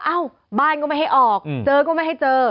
เอ้าบ้านก็ไม่ให้ออกเจอก็ไม่ให้เจอ